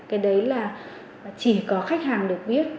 cái đấy là chỉ có khách hàng được biết